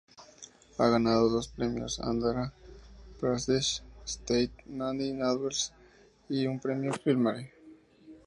Ha ganado dos premios Andhra Pradesh State Nandi Awards y un premio Filmfare.